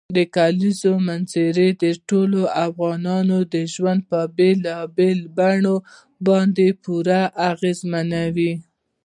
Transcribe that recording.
د کلیزو منظره د ټولو افغانانو ژوند په بېلابېلو بڼو باندې پوره اغېزمنوي.